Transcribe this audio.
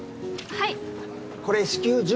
はい。